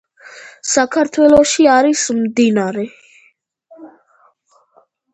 საქართველოში არის მდინარე